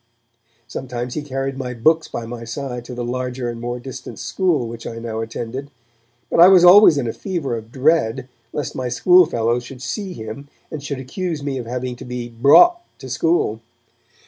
Sometimes he carried my books by my side to the larger and more distant school which I now attended, but I was always in a fever of dread lest my schoolfellows should see him, and should accuse me of having to be 'brought' to school.